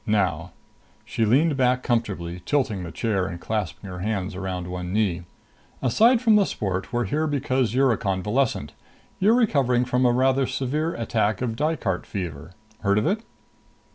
Now " She leaned back comfortably, tilting the chair and clasping her hands around one knee. "Aside from the sport, we're here because you're a convalescent. You're recovering from a rather severe attack of Dykart Fever. Heard of it?"